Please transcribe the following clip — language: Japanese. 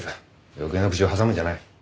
余計な口を挟むんじゃない。